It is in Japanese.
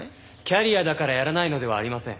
キャリアだからやらないのではありません。